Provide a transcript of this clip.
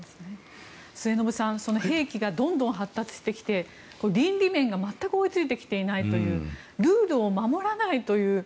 末延さん、兵器がどんどん発達してきて倫理面が全く追いついてきていないというルールを守らないという。